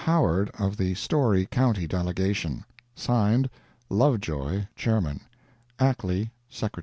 Howard of the Storey county delegation. [Signed] LOVEJOY, Chairman ACKLEY, Sec y.